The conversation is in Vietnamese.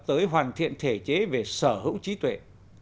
tới hoàn thiện thể chế về sở hữu trí tuệ